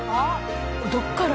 どこから？